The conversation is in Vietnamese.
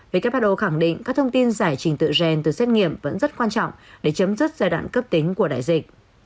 về các bác đồ khẳng định các thông tin giải trình tự gen từ xét nghiệm vẫn rất quan trọng để chấm dứt giai đoạn cấp tính của đại dịch